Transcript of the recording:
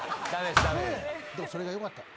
でもそれがよかった。